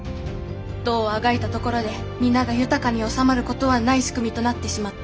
どうあがいたところで皆が豊かに収まることはない仕組みとなってしまっている。